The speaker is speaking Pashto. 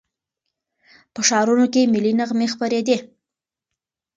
په ښارونو کې ملي نغمې خپرېدې.